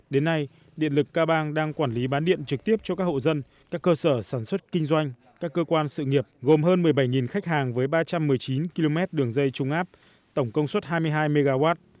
đến nay điện lực ca bang đang quản lý bán điện trực tiếp cho các hộ dân các cơ sở sản xuất kinh doanh các cơ quan sự nghiệp gồm hơn một mươi bảy khách hàng với ba trăm một mươi chín km đường dây trung áp tổng công suất hai mươi hai mw